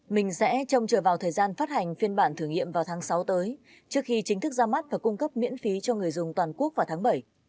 mình sẽ trông chờ vào thời gian phát hành phiên bản thử nghiệm vào tháng sáu tới trước khi chính thức ra mắt và cung cấp miễn phí cho người dùng toàn quốc vào tháng bảy